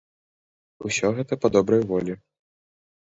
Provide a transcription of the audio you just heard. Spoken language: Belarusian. Усё гэта па добрай волі.